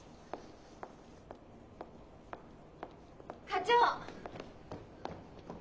課長！